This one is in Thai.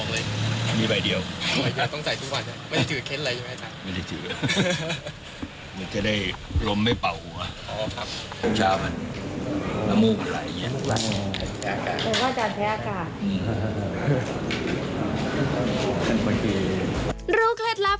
ลูกเล็ดเลยนะครับ